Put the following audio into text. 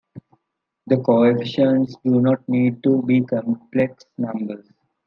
The coefficients do not need to be complex numbers.